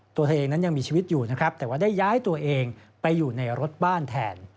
ตัวเองนั้นยังมีชีวิตอยู่นะครับแต่ว่าได้ย้ายตัวเองไปอยู่ในรถบ้านแทน